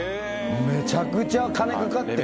めちゃくちゃ金かかってる。